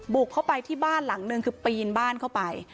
บุกเข้าไปที่บ้านหลังนึงคือปีนบ้านเข้าไป